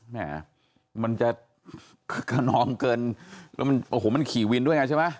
แม่มันจะขนองเกินแล้วมันโอ้โหมันขี่วินด้วยไงใช่ไหม